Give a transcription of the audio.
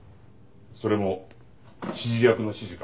「それも指示役の指示か？」